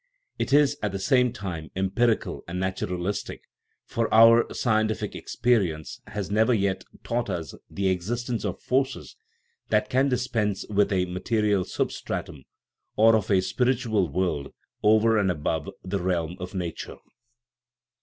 It is at the same time empirical and nat uralistic, for our scientific experience has never yet taught us the existence of forces that can dispense with a material substratum, or of a spiritual world over and above the realm of nature.